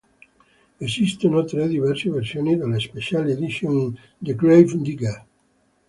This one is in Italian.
Esistono tre diverse versioni della Special Edition di "The Grave Digger".